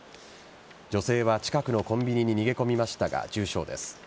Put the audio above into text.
女性は近くのコンビニに逃げ込みましたが重傷です。